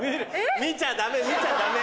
見ちゃダメ見ちゃダメ！